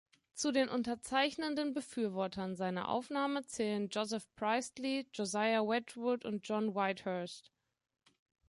Zu den unterzeichnenden Befürwortern seiner Aufnahme zählen Joseph Priestley, Josiah Wedgwood und John Whitehurst.